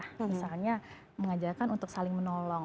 misalnya mengajarkan untuk saling menolong